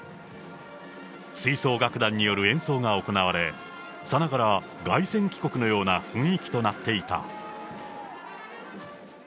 吹奏楽団による演奏が行われ、さながら凱旋帰国のような雰囲気となっていた。